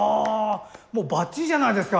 もうバッチリじゃないですか。